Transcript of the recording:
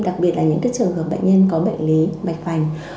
đặc biệt là những cái trường hợp bệnh nhân có bệnh lý mạch phành